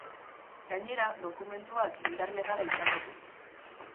Gainera, dokumentuak indar legala izango du.